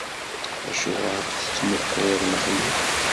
Acuɣeṛ i tettmuqquleḍ Mexluf?